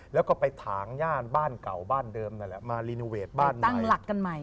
แล้วก็ไปถางย่านบ้านเก่าบ้านเดิมนั่นแหละมารีโนเวทบ้านตั้งหลักกันใหม่